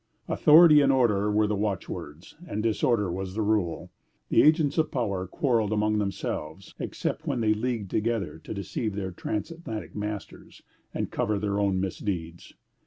Authority and order were the watchwords, and disorder was the rule. The agents of power quarrelled among themselves, except when they leagued together to deceive their transatlantic masters and cover their own misdeeds.